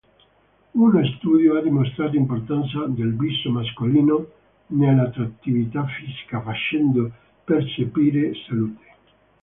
Uno studio ha dimostrato l'importanza del viso mascolino nell'attrattività fisica, facendo percepire salute.